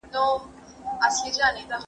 د خپل ژوند له پاره روښانه او ګټور هدف وټاکه.